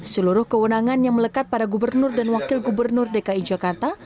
seluruh kewenangan yang melekat pada gubernur dan wakil gubernur dki jakarta